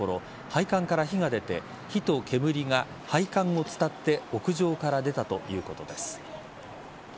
配管から火が出て火と煙が配管を伝って屋上から出たということです。